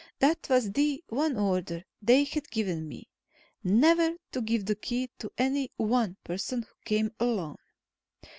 That was the one order they had given me never to give the Key to any one person who came alone.